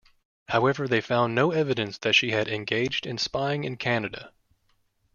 However, they found no evidence that she had engaged in spying in Canada.